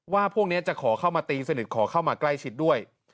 พวกนี้จะขอเข้ามาตีสนิทขอเข้ามาใกล้ชิดด้วย